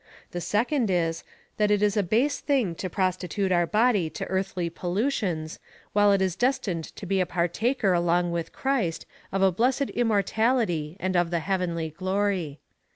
The second is, that it is a base thing to prostitute our body^ to earthly pollutions, while it is destined to be a partaker^ along with Christ of a blessed immortality and of the heavenly glory.